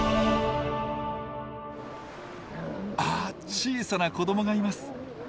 あ小さな子どもがいます。